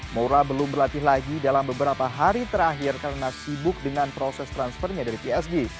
moura belum berlatih lagi dalam beberapa hari terakhir karena sibuk dengan proses transfernya dari psg